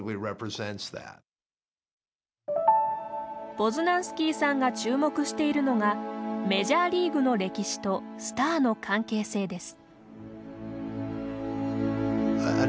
ポズナンスキーさんが注目しているのがメジャーリーグの歴史とスターの関係性です。